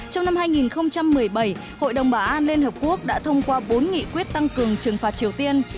trong năm hai nghìn một mươi bảy hội đồng bảo an liên hợp quốc đã thông qua bốn nghị quyết tăng cường trừng phạt triều tiên